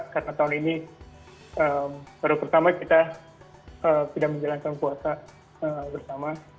karena tahun ini baru pertama kita tidak menjalankan puasa bersama